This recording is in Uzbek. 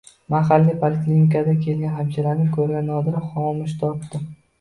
Mahalliy poliklinikadan kelgan hamshirani ko`rgan Nodira xomush tortdi